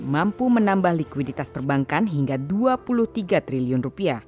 mampu menambah likuiditas perbankan hingga rp dua puluh tiga triliun